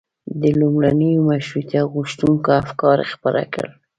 د لومړنیو مشروطیه غوښتونکيو افکار خپاره کړل.